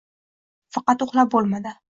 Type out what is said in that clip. Faqat uxlab boʻlmadi